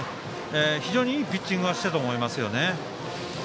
非常にいいピッチングはしたと思いますね。